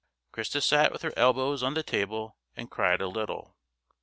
Christa sat with her elbows on the table and cried a little.